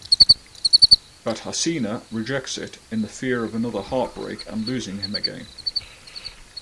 But haseena rejects it in the fear of another heartbreak and losing him again.